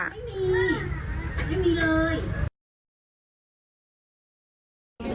ไม่มีไม่มีเลย